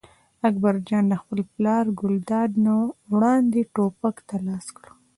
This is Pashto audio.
اکبر جان له خپل پلار ګلداد نه وړاندې ټوپک ته لاس کړ.